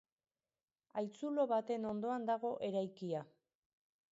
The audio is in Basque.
Haitzulo baten ondoan dago eraikia.